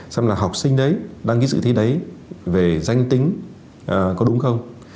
xem là học sinh đấy đăng ký dự thi đấy về danh tính có đúng không